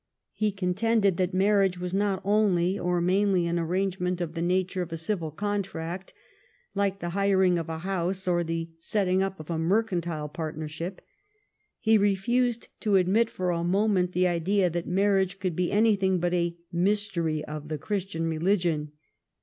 He contended that marriage was not only or mainly an arrangement of the nature of a civil contract, like the hiring of a house or the setting up of a mercantile part nership. He refused to admit for a moment the idea that marriage could be anything but a mys tery of the Christian religion.